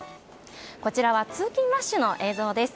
こちらは通勤ラッシュの映像です。